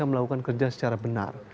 melakukan kerja secara benar